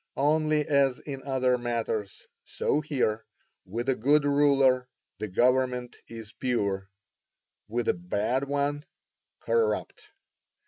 Only as in other matters, so here; with a good ruler, the government is pure; with a bad one, corrupt.